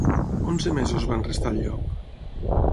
Onze mesos van restar al lloc.